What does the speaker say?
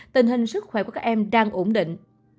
tình hình sức khỏe của các em đang ổn định